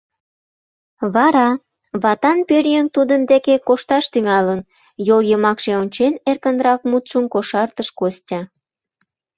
Вара... ватан пӧръеҥ тудын деке кошташ тӱҥалын, — йол йымакше ончен, эркынрак мутшым кошартыш Костя.